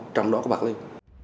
trong đó có bạc liêu